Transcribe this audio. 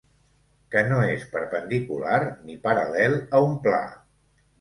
Que no és perpendicular ni paral·lel a un pla.